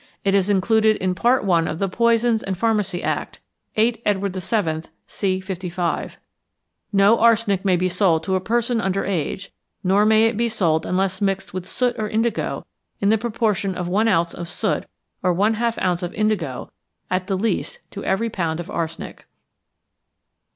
It is included in Part I. of the Poisons and Pharmacy Act (8 Edward VII., c. 55). No arsenic may be sold to a person under age, nor may it be sold unless mixed with soot or indigo in the proportion of 1 ounce of soot or 1/2 ounce of indigo at the least to every pound of arsenic.